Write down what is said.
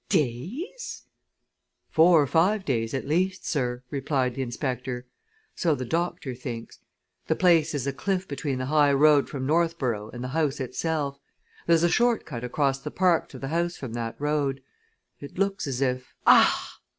"Days?" "Four or five days at least, sir," replied the inspector. "So the doctor thinks. The place is a cliff between the high road from Northborough and the house itself. There's a short cut across the park to the house from that road. It looks as if " "Ah!"